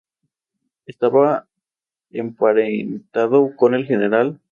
Empezó a hacer atletismo a los siete años en su Jamaica natal.